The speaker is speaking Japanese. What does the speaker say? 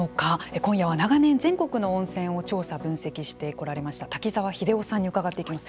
今夜は長年全国の温泉を調査分析してこられました滝沢英夫さんに伺っていきます。